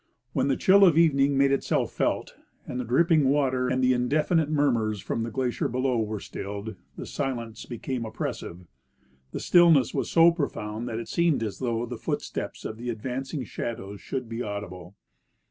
When the chill of evening made itself felt, and the drop ping water and the indefinite murmurs from the glacier below were stilled, the silence became oppressive. The stillness was so profound that it seemed as though the footsteps of the advanc ing shadows should be audible.